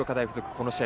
この試合